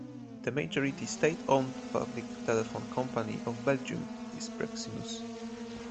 The majority state-owned public telephone company of Belgium is Proximus.